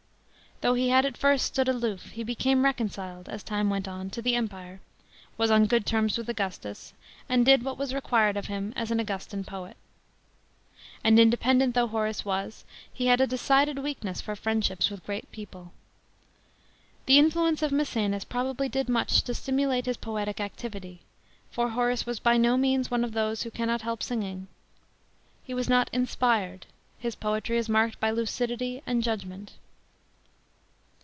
Though he had at first stood aloof, he became reconciled, as time went on, to the Empire, was on good terms with Augustus, and did what was required of him as an Augustan poet. And independent though Horace was, he had a decided weakness for friendships with great people. The influence of Maecenas probably did much to stimulate his poetic activity ; for Horace was by no means one of those who cannot help singing. He was not " inspired ;" his poetry is marked by lucidity and judgment.